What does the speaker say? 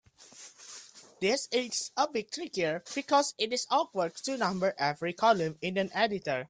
This is a bit trickier because it is awkward to number every column in an editor.